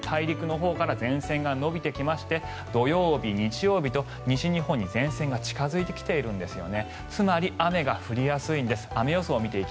大陸のほうから前線が延びてきまして土曜日、日曜日と西日本に前線が近付いてきているんですよね。